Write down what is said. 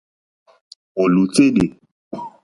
Ò lùtélì.